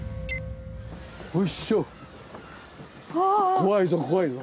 怖いぞ怖いぞ。